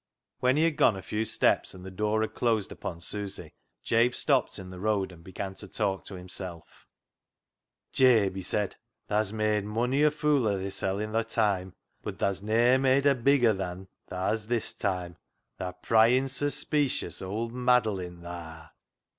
When he had gone a few steps, and the door had closed upon Susy, Jabe stopped in the road and began to talk to himself —" Jabe," he said, " tha's made mony a foo' o' thysel' i' thy toime, bud tha's ne'er made a bigger than tha hez this toime, tha prying, suspeecious, owd maddlin, thaa